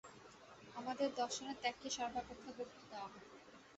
আমাদের দর্শনে ত্যাগকে সর্বাপেক্ষা গুরুত্ব দেওয়া হয়।